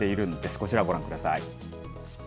こちらご覧ください。